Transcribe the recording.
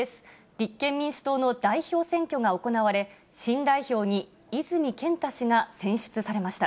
立憲民主党の代表選挙が行われ、新代表に泉健太氏が選出されました。